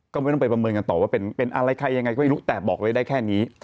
ก็ไม่ต้องไปประเมินกันต่อว่าเป็นอะไรใครยังไงก็ไม่รู้แต่บอกไว้ได้แค่นี้